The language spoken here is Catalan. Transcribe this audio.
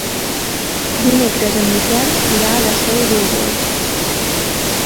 Dimecres en Miquel irà a la Seu d'Urgell.